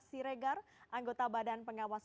siregar anggota badan pengawas